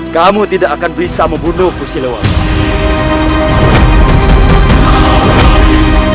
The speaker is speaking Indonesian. kamu tidak akan bisa membunuh pusilawang